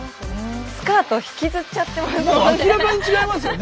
スカート引きずっちゃってますよね。